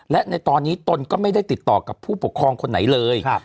และในตอนนี้ตนก็ไม่ได้ติดต่อกับผู้ปกครองคนไหนเลย